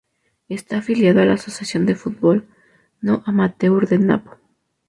Está afiliado a la Asociación de Fútbol No Amateur de Napo.